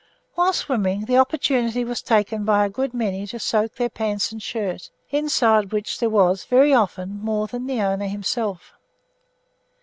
While swimming, the opportunity was taken by a good many to soak their pants and shirts, inside which there was, very often, more than the owner himself.